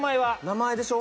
名前でしょ。